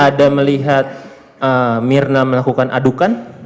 ada melihat mirna melakukan adukan